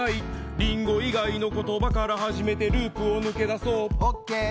リンゴ以外の言葉から始めてループを抜け出そう。